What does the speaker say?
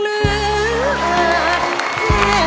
สองมือกราบลงที่ตรงนึง